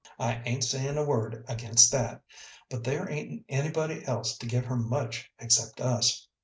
I ain't sayin' a word against that; but there ain't anybody else to give her much except us.